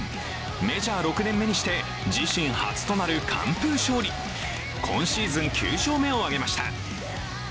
メジャー６年目にして自身初となる完封勝利、今シーズン９勝目を挙げました。